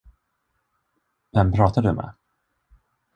Vem pratar du med?